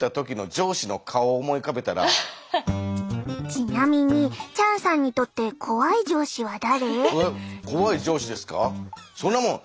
ちなみにチャンさんにとって怖い上司は誰？